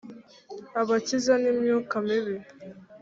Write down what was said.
abakiza n imyuka mibi